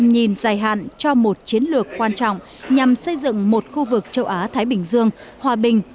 nhìn dài hạn cho một chiến lược quan trọng nhằm xây dựng một khu vực châu á thái bình dương hòa bình